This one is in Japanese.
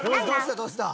どうした？